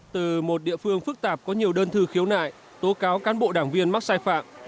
từ một địa phương phức tạp có nhiều đơn thư khiếu nại tố cáo cán bộ đảng viên mắc sai phạm